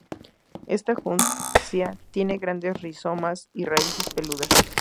Esta juncia tiene grandes rizomas y raíces peludas.